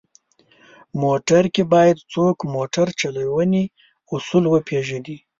موټر کې باید څوک موټر چلونې اصول وپېژني.